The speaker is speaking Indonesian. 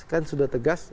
kan sudah tegas